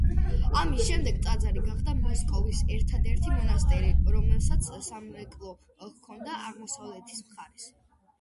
ამის შემდეგ ტაძარი გახდა მოსკოვის ერთადერთი მონასტერი, რომელსაც სამრეკლო ჰქონდა აღმოსავლეთის მხარეს.